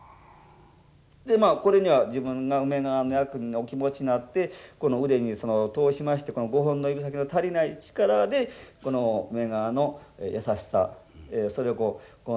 ってまあこれには自分が梅川の役の気持ちになってこの腕に通しましてこの５本の指先の足りない力でこの梅川の優しさそれを５本の指先で表していくと。